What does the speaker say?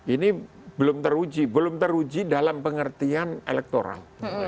ini belum teruji belum teruji dalam pengertian elektoral